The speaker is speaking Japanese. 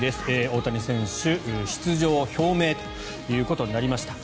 大谷選手、出場表明ということになりました。